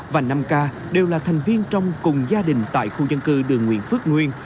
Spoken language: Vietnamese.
và năm k đều là thành viên trong cùng gia đình tại khu dân cư đường nguyễn phước nguyên